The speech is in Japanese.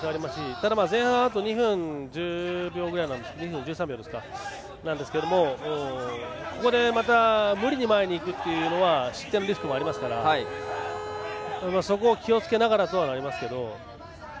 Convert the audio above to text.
ただ、前半があと２分１０秒くらいなんですけどもここでまた、無理に前にいくのは失点リスクもありますのでそこを気をつけながらになりますけど。